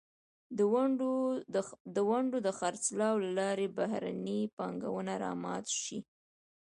د ونډو د خرڅلاو له لارې بهرنۍ پانګونه را مات شي.